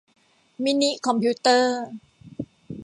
มินิคอมพิวเตอร์